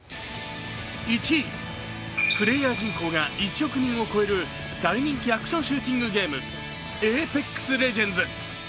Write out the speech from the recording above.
プレーヤー人口が１億人を超える大人気アクションシューティングゲーム「ＡｐｅｘＬｅｇｅｎｄｓ」。